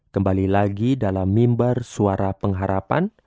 kembali lagi dalam mimbar suara pengharapan